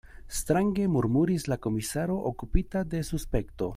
Strange, murmuris la komisaro okupita de suspekto.